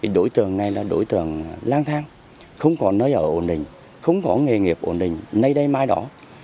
đối tượng này là đối tượng lang thang không có nơi ở ổn định không có nghề nghiệp ổn định nay đây mai đó